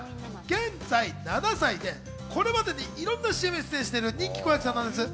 現在７歳でこれまでにいろんなＣＭに出演している人気子役さんなんです。